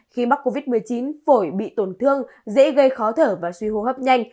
khi mắc covid một mươi chín phổi bị tổn thương dễ gây khó thở và suy hô hấp nhanh